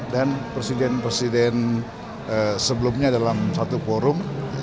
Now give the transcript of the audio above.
dan presiden presiden sebelumnya dalam satu forum